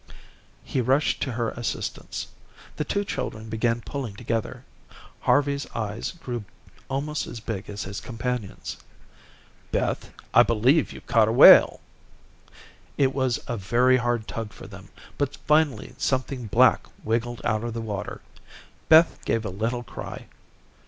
He rushed to her assistance. The two children began pulling together. Harvey's eyes grew almost as big as his companion's. "Beth, I believe you've caught a whale." It was a very hard tug for them, but finally something black wiggled out of the water. Beth gave a little cry.